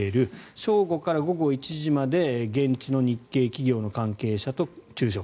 正午から午後１時まで現地の日系企業の関係者と昼食。